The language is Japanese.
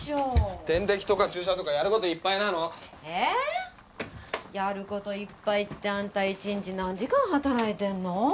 点滴とか注射とかやることいっぱいなのやることいっぱいってアンタ一日何時間働いてるの？